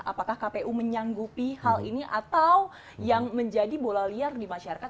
apakah kpu menyanggupi hal ini atau yang menjadi bola liar di masyarakat